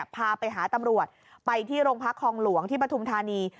พาไปหาตำรวจไปที่โรงพักคลองหลวงที่ปฐุมธานี